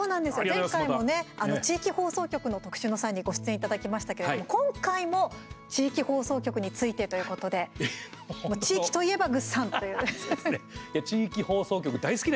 前回もね地域放送局の特集の際にご出演いただきましたけれども今回も地域放送局についてということで、地域といえば地域放送局